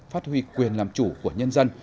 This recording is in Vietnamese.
phát huy quyền làm chủ của nhân dân